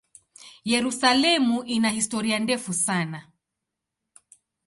Yerusalemu ina historia ndefu sana.